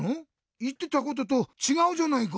いってたこととちがうじゃないか！